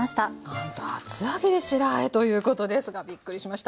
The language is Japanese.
なんと厚揚げで白あえということですがびっくりしました。